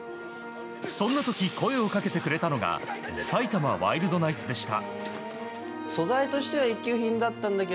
そんな時、声をかけてくれたのが埼玉ワイルドナイツでした。